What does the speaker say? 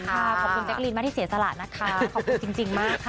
ขอบคุณแจ๊กรีนมากที่เสียสละนะคะขอบคุณจริงมากค่ะ